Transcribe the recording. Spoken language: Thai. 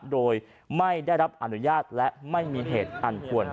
โดยไม่ได้รับอนุญาตและไม่มีเหตุอันควร